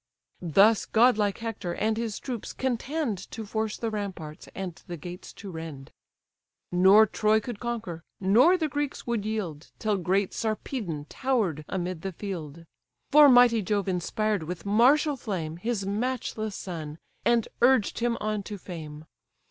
Thus godlike Hector and his troops contend To force the ramparts, and the gates to rend: Nor Troy could conquer, nor the Greeks would yield, Till great Sarpedon tower'd amid the field; For mighty Jove inspired with martial flame His matchless son, and urged him on to fame.